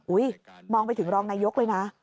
มองไปถึงรองนายกเลยนะ